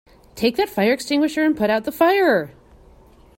Take that fire extinguisher and put out the fire!